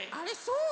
そう？